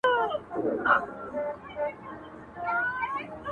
• سړي خلګو ته ویله لاس مو خلاص دئ..